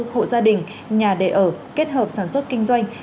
hộ gia đình nhà đề ở kết hợp sản xuất kinh doanh